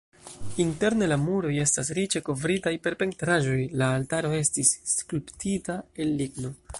Interne la muroj estas riĉe kovritaj per pentraĵoj, la altaro estis skulptita el ligno.